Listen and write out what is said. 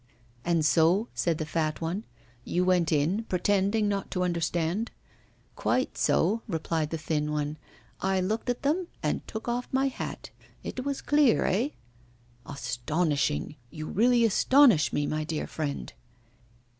'And so,' said the fat one, 'you went in, pretending not to understand?' 'Quite so,' replied the thin one. 'I looked at them and took off my hat. It was clear, eh?' 'Astonishing! You really astonish me, my dear friend.